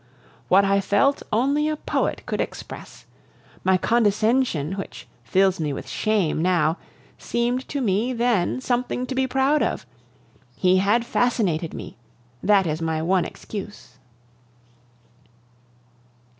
What I felt only a poet could express. My condescension, which fills me with shame now, seemed to me then something to be proud of; he had fascinated me, that is my one excuse.